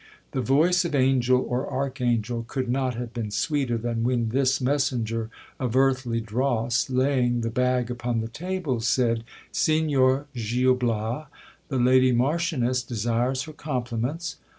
The voice of angel or archangel could not have been sweeter, than when this messenger of earthly dross, laying the bag upon the table, said : Signor Gil Bias, the lady marchioness desires her compliments.